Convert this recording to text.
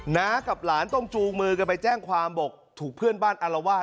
น้ากับหลานต้องจูงมือกันไปแจ้งความบอกถูกเพื่อนบ้านอารวาส